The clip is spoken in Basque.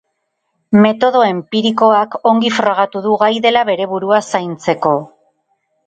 Metodo enpirikoak ongi frogatu du gai dela bere burua zaintzeko.